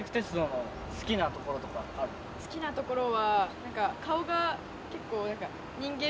好きなところは待って。